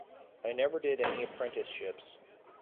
I never did any apprenticeships.